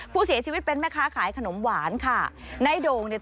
ผู้เสียชีวิตเป็นแม่ค้าขายขนมหวานค่ะในโด่งเนี่ย